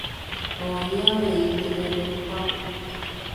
Oĩ avei terere rupa